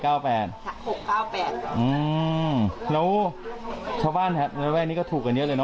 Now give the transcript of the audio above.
อืมแล้วชาวบ้านระแวกนี้ก็ถูกกันเยอะเลยเน